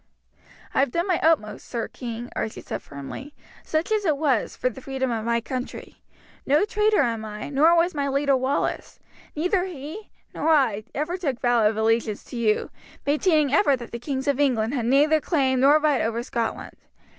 "I have done my utmost, sir king," Archie said firmly, "such as it was, for the freedom of my country. No traitor am I, nor was my leader Wallace. Nor he, nor I, ever took vow of allegiance to you, maintaining ever that the kings of England had neither claim nor right over Scotland.